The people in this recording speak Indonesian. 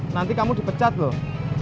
nanti kamu dipecat loh